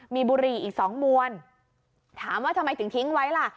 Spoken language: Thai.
มีบุหรี่อีก๒มวลถามว่าทำไมถึงทิ้งไว้ล่ะ